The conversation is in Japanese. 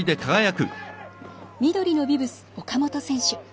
緑のビブス、岡本選手。